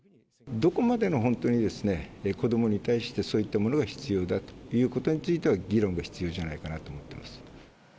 どこまでの本当に、子どもに対してそういったものが必要だということについては、議論が必要じゃないかなと思ってます。